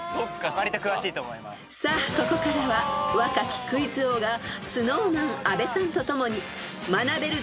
［さあここからは若きクイズ王がＳｎｏｗＭａｎ阿部さんとともに学べる！